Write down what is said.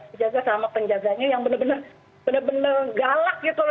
dijaga sama penjaganya yang benar benar galak gitu loh